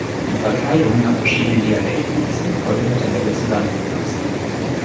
Die Verteilung nach verschiedenen Dialekten ist in folgender Tabelle zusammengefasst.